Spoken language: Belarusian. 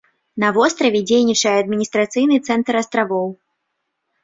На востраве дзейнічае адміністрацыйны цэнтр астравоў.